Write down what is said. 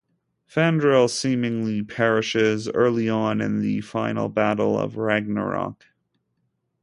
Fandral seemingly perishes early on in the final battle of Ragnarok.